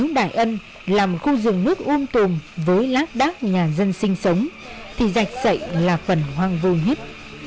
nếu đại ân làm khu rừng nước um tùm với lá đác nhà dân sinh sống thì giạch sậy là phần hoang vui nhất